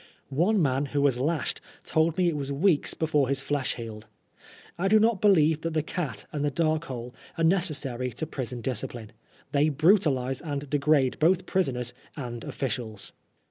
One man who was lashed told me it was weeks before his flesh healed. I do not believe ihat the cat and the dark hole are necessary to prison discipline. They brutalise 4tnd degrade both prisoners and officials.